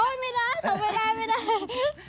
โอ้ยไม่ได้ขอไม่ได้ไม่ได้